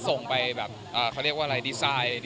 คนเรียนแจ้นบอกว่าอยากให้เปิดจรองก่อน